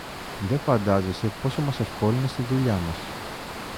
Δε φαντάζεσαι πόσο μας ευκόλυνες τη δουλειά μας